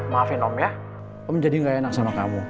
maafin om ya om jadi gak enak sama kamu